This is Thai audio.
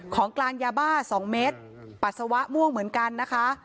ของกลางยาบ้า๒เมตรปัสสาวะม่วงเหมือนกันนะคะ